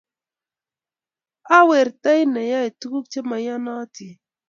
Ai werto neyoe tuguk chemaiyanatin